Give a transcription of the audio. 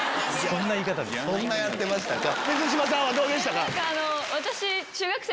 そんなやってましたか。